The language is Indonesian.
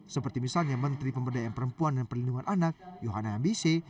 seperti misalnya menteri pemberdayaan perempuan dan perlindungan anak yohana ambisi